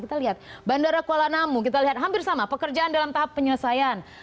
kita lihat bandara kuala namu kita lihat hampir sama pekerjaan dalam tahap penyelesaian